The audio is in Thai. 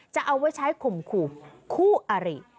จะเอาไว้ใช้ขุมขุมคู่อริ